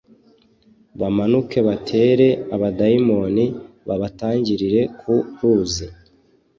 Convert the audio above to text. bamanuke batere abamidiyani babatangirire ku ruzi